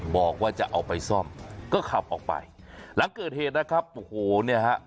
บอกว่าจะเอาไปซ่อมก็ขับออกไปหลังเกิดเหตุนะครับโอ้โหเนี่ยฮะ